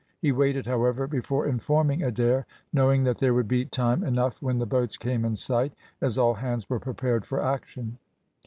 He waited, however, before informing Adair, knowing that there would be time enough when the boats came in sight, as all hands were prepared for action.